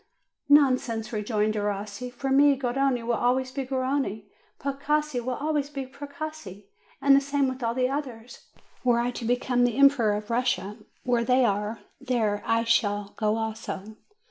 "Nonsense!" rejoined Derossi; "for me, Garrone will always be Garrone, Precossi will always be Pre cossi, and the same with all the others, were I to be come the emperor of Russia: where they are, there I shall go also."